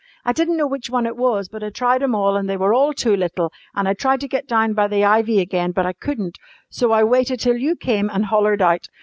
I didn't know which one it was, but I tried 'em all an' they were all too little, an' I tried to get down by the ivy again but I couldn't, so I waited till you came an' hollered out.